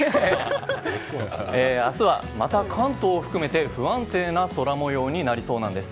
明日はまた関東を含めて不安定な空模様になりそうなんです。